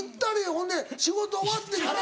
ほんで仕事終わってから。